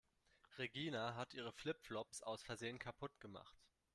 Regina hat ihre Flip-Flops aus Versehen kaputt gemacht.